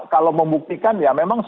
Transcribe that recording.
nah kalau membuktikan ya memang sulit